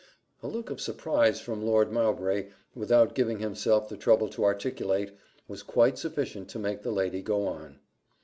A look of surprise from Lord Mowbray, without giving himself the trouble to articulate, was quite sufficient to make the lady go on.